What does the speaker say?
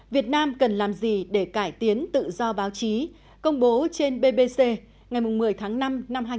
việt nam cần làm gì để cải tiến tự do báo chí công bố trên bbc ngày một mươi tháng năm năm hai nghìn hai mươi